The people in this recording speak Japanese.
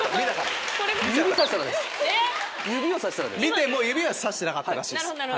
見ても指はさしてなかったです。